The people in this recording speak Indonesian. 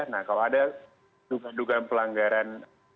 nah kalau ada duga duga pelanggaran